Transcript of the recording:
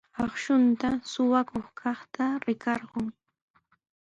Akshunta suqakuykaqta rikarqun.